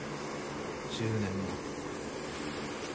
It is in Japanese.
１０年も。